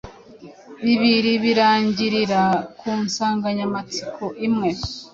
bibiri birangirira ku nsanganyamatsiko imwe